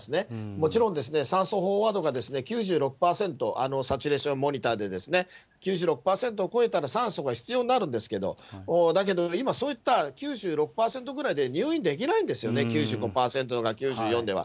もちろんですね、酸素飽和度が９６％、サチュレーションモニターでですね、９６％を超えたら、酸素が必要になるんですけれども、だけど今、そういった９６％ぐらいで入院できないんですよね、９５％とか９４では。